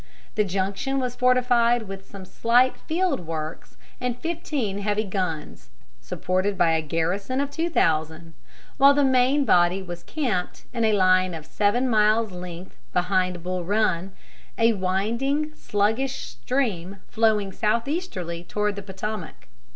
The Junction was fortified with some slight field works and fifteen heavy guns, supported by a garrison of two thousand; while the main body was camped in a line of seven miles' length behind Bull Run, a winding, sluggish stream flowing southeasterly toward the Potomac.